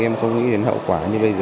em không nghĩ đến hậu quả